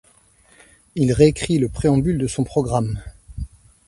Il réécrit le préambule de son programme.